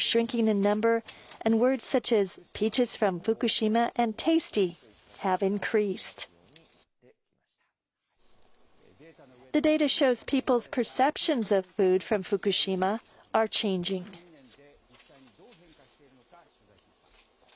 この１２年で実際にどう変化しているのか、取材しました。